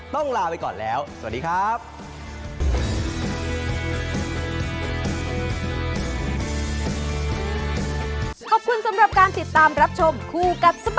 ต้องลาไปก่อนแล้วสวัสดีครับ